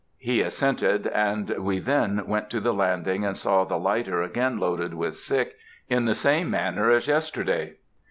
He assented, and we then went to the landing and saw the lighter again loaded with sick, in the same manner as yesterday.